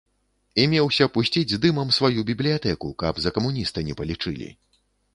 І меўся пусціць з дымам сваю бібліятэку, каб за камуніста не палічылі.